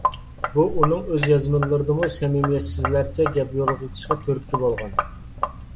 بۇ ئۇنىڭ ئۆز يازمىلىرىدىمۇ سەمىمىيەتسىزلەرچە گەپ يورغىلىتىشىغا تۈرتكە بولغان.